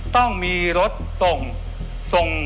ต้องมีรถส่ง